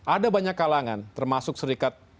ada banyak kalangan termasuk serikat